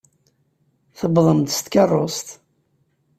Tewwḍem-d s tkeṛṛust.